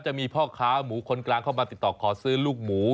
จะมีพ่อค้าหมูคนกลางเข้ามาติดต่อขอซื้อลูกหมู